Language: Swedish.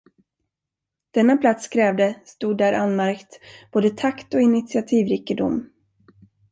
Denna plats krävde, stod där anmärkt, både takt och initiativrikedom.